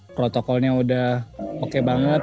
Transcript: protokolnya udah oke banget